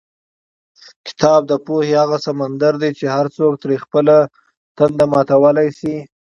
کتاب د پوهې هغه سمندر دی چې هر څوک ترې خپله تنده ماتولی شي.